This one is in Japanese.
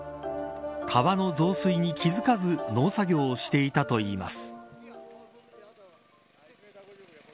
川の増水に気付かず農作業をしていたといいます。